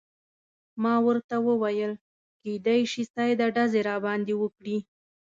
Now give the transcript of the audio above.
ما ورته وویل: کیدای شي سیده ډزې راباندې وکړي.